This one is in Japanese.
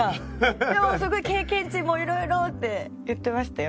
もうすごい経験値もいろいろって言ってましたよ